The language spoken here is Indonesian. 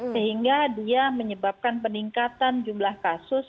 sehingga dia menyebabkan peningkatan jumlah kasus